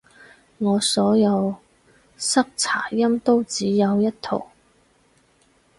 我所有塞擦音都只有一套